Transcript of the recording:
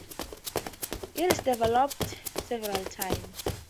It is developed several times.